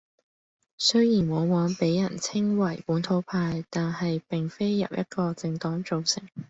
雖然往往畀人稱為「本土派」，但係並非由一個政黨組成